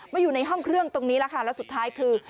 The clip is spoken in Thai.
อยู่ในห้องเครื่องตรงนี้แล้วค่ะแล้วสุดท้ายคือ